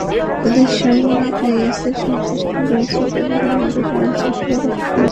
তাঁদের সঙ্গে আইএসের সংশ্লিষ্টতা রয়েছে বলে বাংলাদেশের আইনশৃঙ্খলা রক্ষাকারী বাহিনী সন্দেহ করছে।